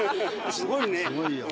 すごいよ。